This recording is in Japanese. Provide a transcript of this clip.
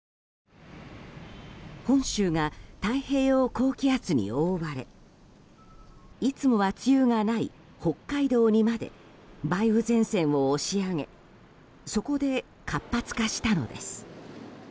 本州が太平洋高気圧に覆われいつもは梅雨がない北海道にまで梅雨前線を押し上げそこで活発化したのです。